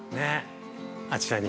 ◆あちらに。